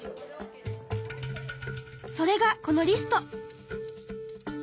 それがこのリスト。